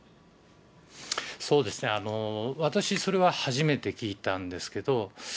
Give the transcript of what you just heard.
そうですね、私、それは初めて聞いたんですけど。